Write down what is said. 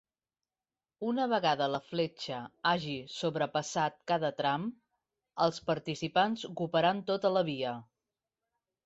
Una vegada la fletxa hagi sobrepassat cada tram, els participants ocuparan tota la via.